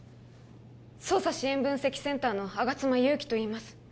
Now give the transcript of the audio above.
捜査支援分析センターの吾妻ゆうきといいます